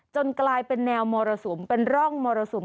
กลายเป็นแนวมรสุมเป็นร่องมรสุม